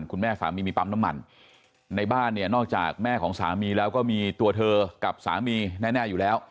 สามีมีปั๊มน้ำมันในบ้านเนี่ยนอกจากแม่ของสามีแล้วก็มีตัวเธอกับสามีแน่อยู่แล้ว